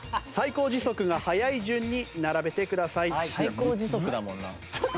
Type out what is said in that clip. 最高時速だもんな。